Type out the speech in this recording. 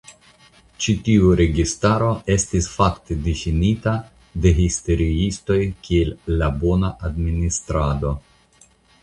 Ĉi tiu registaro estas fakte difinita de historiistoj kiel la "bona "administrado".